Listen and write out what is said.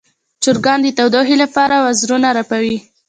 چرګان د تودوخې لپاره وزرونه رپوي.